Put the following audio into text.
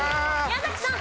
宮崎さん。